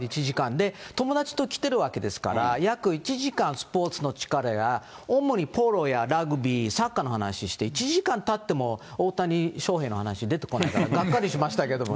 で、友達と来てるわけですから、約１時間スポーツの力や、主にポロやラグビー、サッカーの話して、１時間たっても、大谷翔平の話、出てこないから、がっかりしましたけどね。